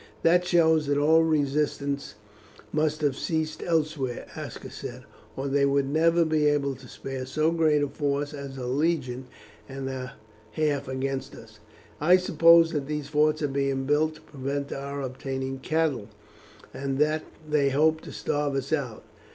"That shows that all resistance must have ceased elsewhere," Aska said, "or they would never be able to spare so great a force as a legion and a half against us. I suppose that these forts are being built to prevent our obtaining cattle, and that they hope to starve us out.